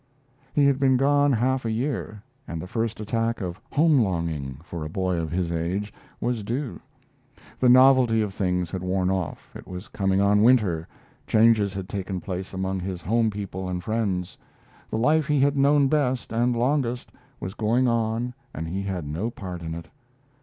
He had been gone half a year, and the first attack of home longing, for a boy of his age, was due. The novelty of things had worn off; it was coming on winter; changes had taken place among his home people and friends; the life he had known best and longest was going on and he had no part in it.